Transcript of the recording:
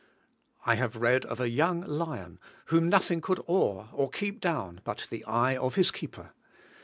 I have read of a young lion whom nothing could awe or keep down but the eye of his keeper.